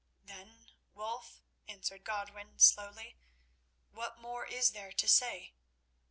"Then, Wulf," answered Godwin slowly, "what more is there to say?